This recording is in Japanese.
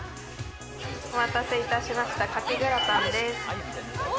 お待たせいたしました、カキグラタンです。